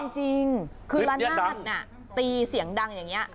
เอาจริงคือร้านหน้าตีเสียงดังอย่างนี้